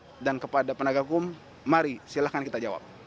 masyarakat dan kepada penagak hukum mari silahkan kita jawab